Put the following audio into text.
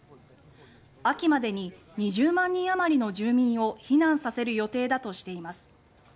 秋までに２０万人あまりの住民を避難させる予定だとしています。